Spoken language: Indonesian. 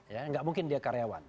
ya nggak mungkin dia karyawan